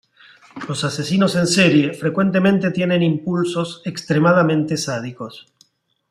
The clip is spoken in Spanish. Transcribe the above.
Los asesinos en serie frecuentemente tienen impulsos extremadamente sádicos.